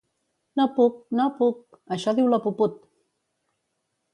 —No puc, no puc! —Això diu la puput!